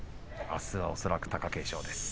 あすは恐らく貴景勝です。